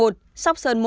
sóc sơn một